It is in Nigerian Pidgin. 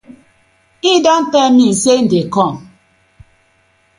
Him dey tey mi say im dey kom.